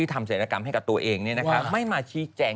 ธรรมใช้แบบ๐๑ไม่มาแบ่ง